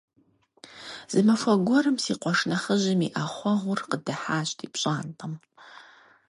Зы махуэ гуэрым си къуэш нэхъыжьым и Ӏэхъуэгъур къыдыхьащ ди пщӀантӀэ.